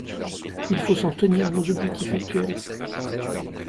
Il faut s’en tenir à nos objectifs actuels.